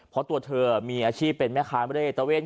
เพราะตัวเธอมีอาชีพเป็นแม่ค้าไม่ได้เอตเวน